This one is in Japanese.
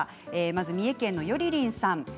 三重県の方からです。